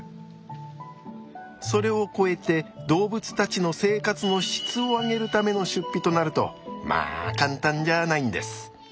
それを超えて動物たちの生活の質を上げるための出費となるとまあ簡単じゃないんです。